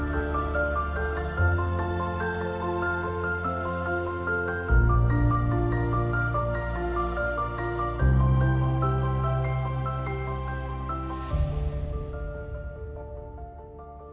serta menjaga keberadaan harimau